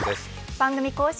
番組公式